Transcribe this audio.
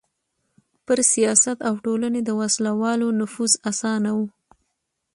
پر سیاست او ټولنې د وسله والو نفوذ اسانه و.